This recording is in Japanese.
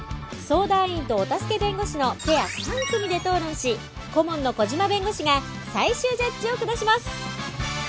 相談員とお助け弁護士のペア３組で討論し顧問の小島弁護士が最終ジャッジを下します